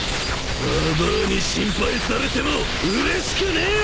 ババアに心配されてもうれしくねえよ！